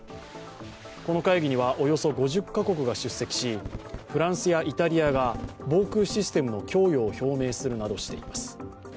この会議にはおよそ５０か国が出席しフランスやイタリアが防空システムの供与を表明するなどしています。